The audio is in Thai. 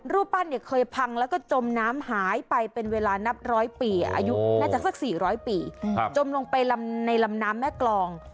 รูปปั้นเนี่ยเคยพังแล้วก็จมน้ำหายไปเป็นเวลานับร้อยปีอายุน่าจะสัก๔๐๐ปีจมลงไปในลำน้ำแม่กรอง